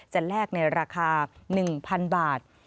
แลกในราคา๑๐๐๐บาท